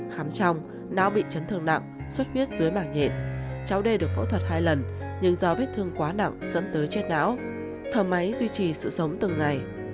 khám trong não bị chấn thương nặng suất huyết dưới mảng nhện cháu đê được phẫu thuật hai lần nhưng do vết thương quá nặng dẫn tới chết não thở máy duy trì sự sống từng ngày